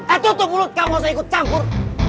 eh tutup mulut kau gak usah ikut campur